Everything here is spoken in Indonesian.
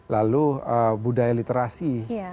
lalu budaya literasi